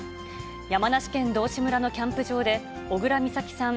山梨県道志村のキャンプ場で、小倉美咲さん